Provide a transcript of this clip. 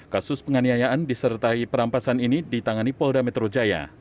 kasus penganiayaan disertai perampasan ini ditangani polda metro jaya